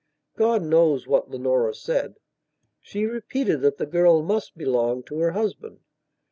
God knows what Leonora said. She repeated that the girl must belong to her husband.